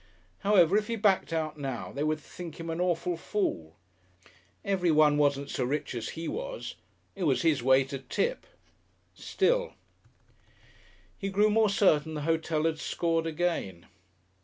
However, if he backed out now, they would think him an awful fool. Everyone wasn't so rich as he was. It was his way to tip. Still He grew more certain the hotel had scored again.